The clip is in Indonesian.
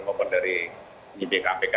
maupun dari ipk apk